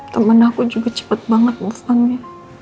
temen aku juga cepet banget move on nya